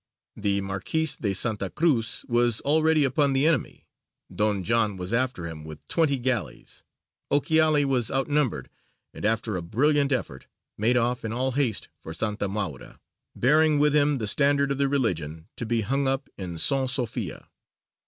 The Marquis de Santa Cruz was already upon the enemy; Don John was after him with twenty galleys; Ochiali was outnumbered, and after a brilliant effort, made off in all haste for Santa Maura, bearing with him the Standard of "the Religion" to be hung up in St. Sophia.